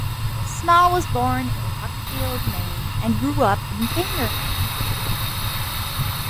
Small was born in Buckfield, Maine and grew up in Bangor, Maine.